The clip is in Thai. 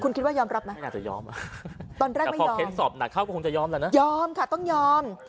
คุณคิดว่ายอมรับไหมตอนแรกไม่ยอมยอมค่ะต้องยอม